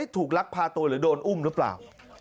ลักพาตัวหรือโดนอุ้มหรือเปล่า